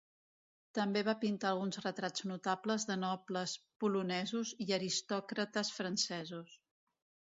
També va pintar alguns retrats notables de nobles Polonesos i aristòcrates francesos.